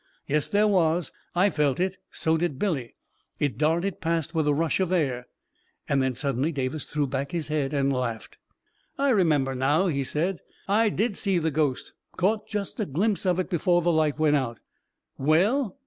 "Yes, there was; I felt it — so did Billy. It darted past with a rush of air ..." And then suddenly Davis threw back his head and laughed. " I remember now," he said; " I did see the ghost — caught just a glimpse of it before the light went out." "Well?"